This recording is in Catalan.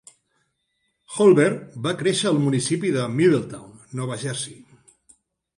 Holbert va créixer al municipi de Middletown, Nova Jersey.